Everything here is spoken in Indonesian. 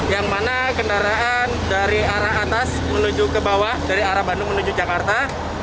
yang mana kendaraan dari arah atas menuju ke bawah dari arah bandung menuju jakarta